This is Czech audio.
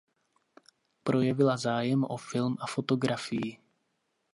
Projevila zájem o film a fotografii.